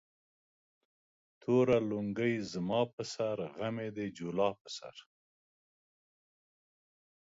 توره لنگۍ زما پر سر ، غم يې د جولا پر سر